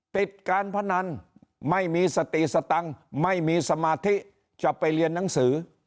ติดการพนันไม่มีสติสตังค์ไม่มีสมาธิจะไปเรียนหนังสือ